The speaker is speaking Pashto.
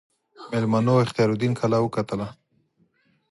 میلمنو اختیاردین کلا وکتله.